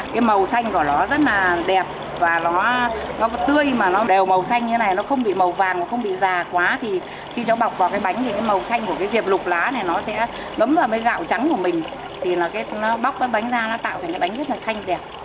cái màu xanh của nó rất là đẹp và nó tươi mà nó đều màu xanh như thế này nó không bị màu vàng nó không bị già quá thì khi cháu bọc vào cái bánh thì cái màu xanh của cái diệp lục lá này nó sẽ ngấm vào cái gạo trắng của mình thì nó bóc cái bánh ra nó tạo thành cái bánh rất là xanh đẹp